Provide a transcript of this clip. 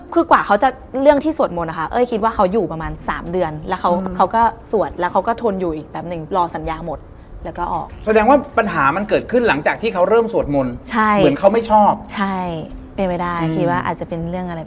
คือเมื่อก่อนบางทีก็จะมีคนสจงกระเบนสีแดง